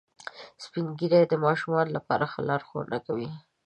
سپین ږیری د ماشومانو لپاره ښه لارښوونه کوي